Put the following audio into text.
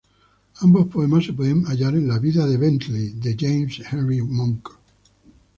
Ambos poemas se pueden hallar en la "Vida de Bentley" de James Henry Monk.